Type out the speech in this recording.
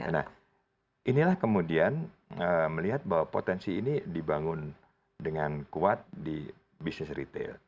nah inilah kemudian melihat bahwa potensi ini dibangun dengan kuat di bisnis retail